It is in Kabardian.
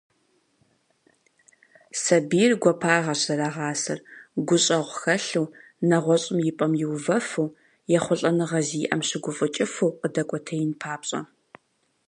Сабийр гуапагъэщ зэрагъасэр, гущӏэгъу хэлъу, нэгъуэщӏым и пӏэм иувэфу, ехъулӏэныгъэ зиӏэм щыгуфӏыкӏыфу къыдэкӏуэтеин папщӏэ.